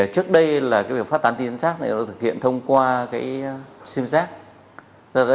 trước đây là việc phát tán tin nhắn rác nó thực hiện thông qua sim rác